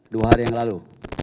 dua hari yang lalu